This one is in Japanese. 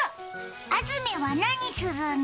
安住は何するの？